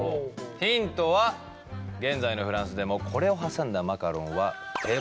ヒントは現在のフランスでもこれを挟んだマカロンは定番の一つ。